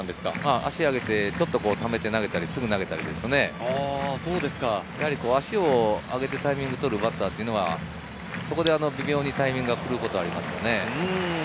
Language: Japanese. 足を上げて、ためて投げたり、すぐ投げたり、足を上げてタイミングを取るバッターはそこで微妙にタイミングが来ることがあります。